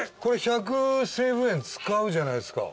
１００西武園使うじゃないですか。